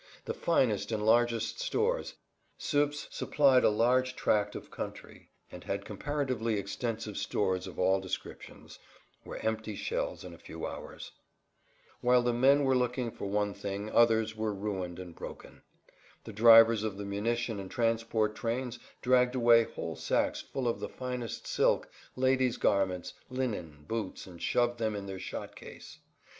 The finest and largest stores—Suippes supplied a large tract of country and had comparatively extensive stores of all descriptions—were empty shells in a few hours. Whilst men were looking for one thing others were ruined and broken. The drivers of the munition and transport trains dragged away whole sacks full of the finest silk, ladies' garments, linen, boots, and shoved them in their shot case.